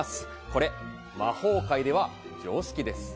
これ、魔法界では常識です。